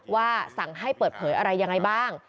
ว่าสั่งให้เปิดเผยอะไรยังไงบ้าง